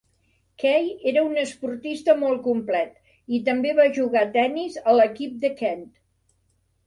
Key era un esportista molt complet i també va jugar a tennis a l"equip de Kent.